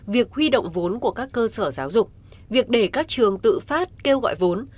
việc huy động vốn của các cơ sở giáo dục việc để các trường tự phát kêu gọi vốn